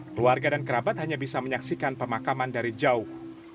keluarga dan kerabat hanya bisa menyaksikan pemakaman dari jauh